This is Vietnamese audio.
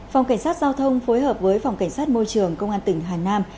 phòng cảnh sát giao thông phối hợp với phòng cảnh sát môi trường công an tỉnh hà nam